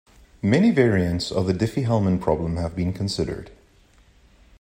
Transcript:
Many variants of the Diffie-Hellman problem have been considered.